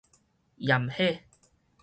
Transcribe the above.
炎火